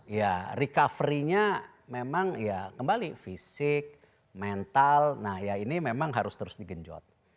ya recovery nya memang ya kembali fisik mental nah ya ini memang harus terus digenjot